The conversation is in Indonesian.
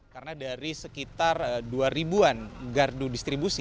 karena dari sekitar dua an gardu distribusi